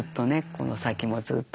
この先もずっと。